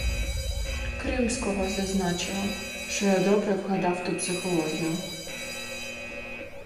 Кримського зазначила, що я добре вгадав ту психологію.